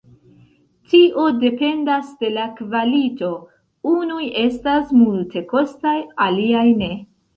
Tio dependas de la kvalito, unuj estas multekostaj, aliaj ne.